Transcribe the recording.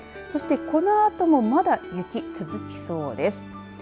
そしてこのあともまだ雪、続きそうです。